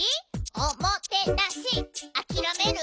おもてなしあきらめる？